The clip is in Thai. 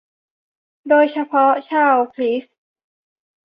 คนโดยเฉพาะชาวคริสต์